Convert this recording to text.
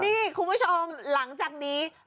นี่คุณผู้ชมหลังจากนี้